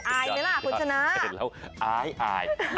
อายไหมล่ะคุณชนะอาย